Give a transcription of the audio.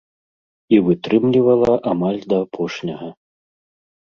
І вытрымлівала амаль да апошняга.